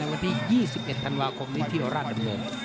วันที่๒๑ธันวาคมนี้เที่ยวราชดำเนิน